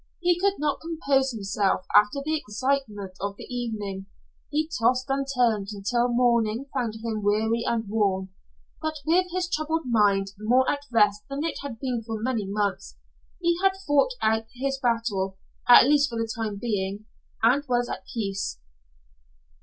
He could not compose himself after the excitement of the evening. He tossed and turned until morning found him weary and worn, but with his troubled mind more at rest than it had been for many months. He had fought out his battle, at least for the time being, and was at peace.